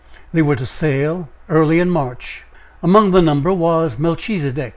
They were to sail early in March. Among the number was Melchisedek.